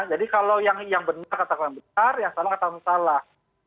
jadi kalau yang benar katakan betar yang salah katakan salah